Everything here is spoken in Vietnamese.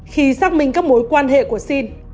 khi xác minh các mối quan hệ của sinh